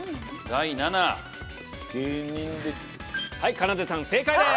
かなでさん正解です！